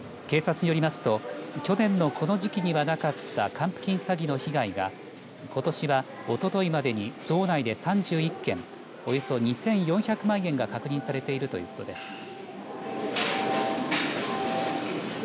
警察によりますと去年のこの時期にはなかった還付金詐欺の被害がことしは、おとといまでに道内で３１件およそ２４００万円が確認されているということです。